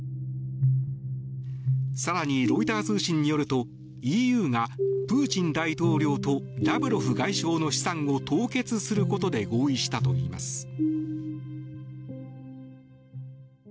更に、ロイター通信によるとＥＵがプーチン大統領とラブロフ外相の資産を凍結することで合意したといいます。